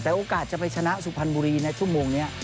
แต่โอกาสจะไปชนะสุพรรณบุรีในชั่วโมงนี้